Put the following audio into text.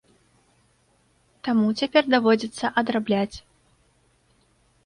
Таму цяпер даводзіцца адрабляць.